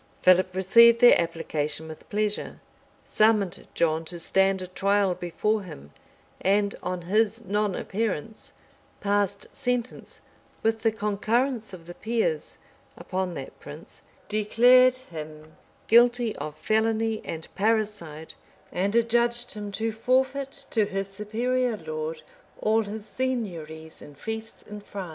Philip received their application with pleasure; summoned John to stand a trial before him; and on his non appearance, passed sentence, with the concurrence of the peers, upon that prince; declared him guilty of felony and parricide; and adjudged him to forfeit to his superior lord all his seigniories and fiefs in France.